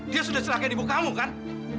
dia sudah celakain ibu kamu kan